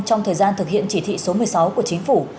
trong thời gian thực hiện chỉ thị số một mươi sáu của chính phủ